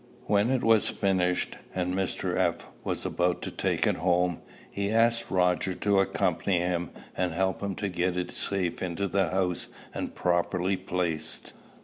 When it was finished, and Mr. F. was about to take it home, he asked Roger to accompany him, and help him to get it safe into the house and properly placed.